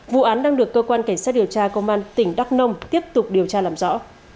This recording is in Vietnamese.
vụ án đang được cơ quan cảnh sát điều tra công an tỉnh đắk nông tiếp tục điều tra làm rõ